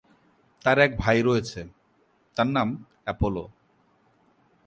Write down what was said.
তার এক ভাই রয়েছে, তার নাম অ্যাপোলো।